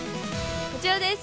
◆こちらです。